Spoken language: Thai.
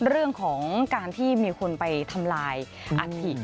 เรื่องของการที่มีคนไปทำลายอัฐิ